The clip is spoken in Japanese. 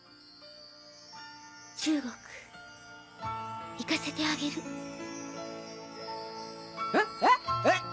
中国行かせてあげるえ？